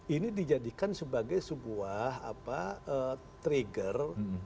ini dijadikan sebagai sebuah trigger